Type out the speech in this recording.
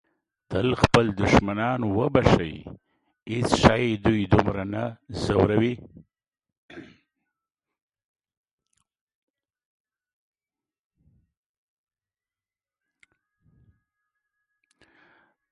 تل خپل دښمنان وبښئ. هیڅ شی دوی دومره نه ځوروي.